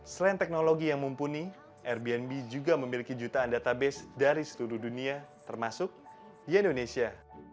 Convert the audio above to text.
selain teknologi yang mumpuni airbnb juga memiliki jutaan database dari seluruh dunia termasuk di indonesia